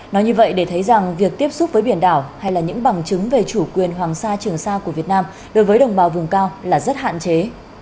nói như vậy để thấy rằng việc tiếp xúc với biển đảo hay là những bằng chứng về chủ quyền hoàng sa trường sa của việt nam đối với đồng bào vùng cao là rất hạn chế